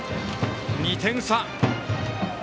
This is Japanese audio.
２点差。